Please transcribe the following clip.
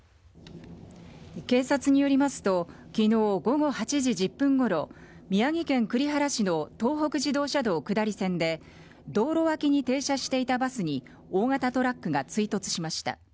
警察によりますと昨日午後８時１０分ごろ宮城県栗原市の東北自動車道下り線で道路脇に停車していたバスに大型トラックが追突しました。